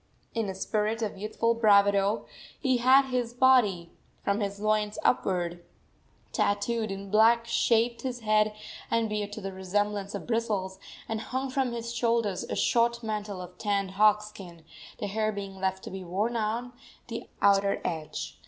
In a spirit of youthful bravado he had his body, from his loins upward, tattooed in black, shaved his head and beard to the resemblance of bristles, and hung from his shoulders a short mantle of tanned hog skin, the hair being left to be worn on the outer side.